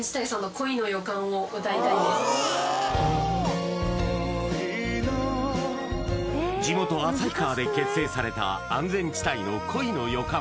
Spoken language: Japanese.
恋の地元旭川で結成された安全地帯の「恋の予感」